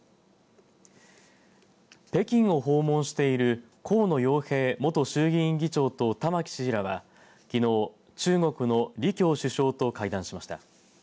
北京を訪問している河野洋平元衆議院議長と玉城知事らはきのう、中国の李強首相と会談しました。